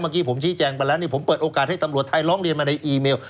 เมื่อกี้ผมชี้แจงไปแล้วนี่ผมเปิดโอกาสให้ตำรวจไทยร้องเรียนมาในอีเมล